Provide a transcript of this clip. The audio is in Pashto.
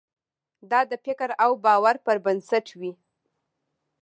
دا د فکر او باور پر بنسټ وي.